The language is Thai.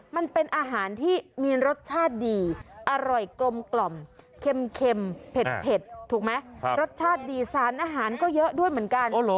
มันเป็นอาหารที่มีรสชาติดีอร่อยกลมเค็มเผ็ดถูกไหมรสชาติดีสารอาหารก็เยอะด้วยเหมือนกัน